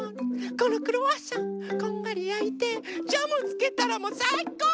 このクロワッサンこんがりやいてジャムつけたらもうさいこう！